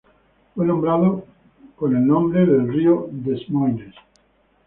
Fue nombrado por el nombre del río Des Moines.